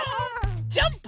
ジャンプ！